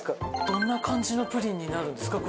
どんな感じのプリンになるんですか？